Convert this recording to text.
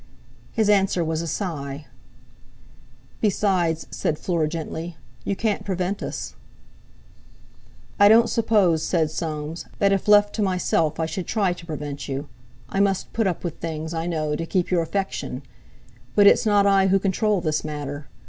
His answer was a sigh. "Besides," said Fleur gently, "you can't prevent us." "I don't suppose," said Soames, "that if left to myself I should try to prevent you; I must put up with things, I know, to keep your affection. But it's not I who control this matter.